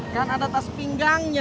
kan ada tas pinggangnya